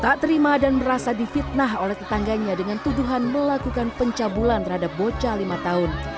tak terima dan merasa difitnah oleh tetangganya dengan tuduhan melakukan pencabulan terhadap bocah lima tahun